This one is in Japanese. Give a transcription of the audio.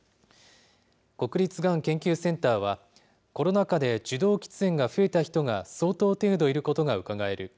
国立がん研究センターは、コロナ禍で受動喫煙が増えた人が相当程度いることがうかがえる。